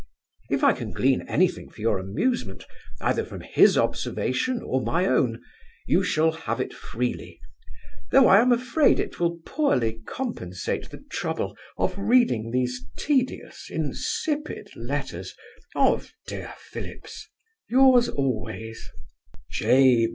If I can glean any thing for your amusement, either from his observation or my own, you shall have it freely, though I am afraid it will poorly compensate the trouble of reading these tedious insipid letters of, Dear Phillips, Yours always, J.